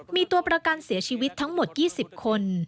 มีตัวประกันเสียชีวิตทั้งหมด๒๐คน